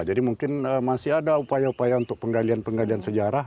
jadi mungkin masih ada upaya upaya untuk penggalian penggalian sejarah